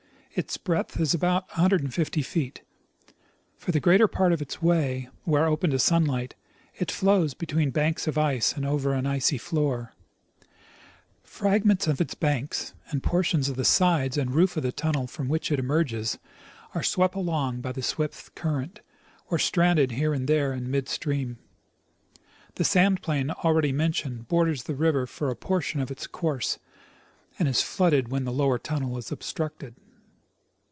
Its breadth is about 150 feet. For the greater j^art of its way, where open to sunlight, it flows between banks of ice and over an icy floor. Fragments of its banks, and portions of ■^>ik5P .=!!>;■■;■. ■.■.v.xitt*fc' *' 'lib rf. ^v'j?S *;'>;..'■■■.■.. V; * <€I!b=^ .. I ... J A typical glacial River. 107 the sides and roof of the tunnel from which it emerges, are swept along by the swift current, or stranded here and there in mid stream. The sand plain already mentioned borders the river for a portion of its course, and is flooded when the lower tunnel is obstructed.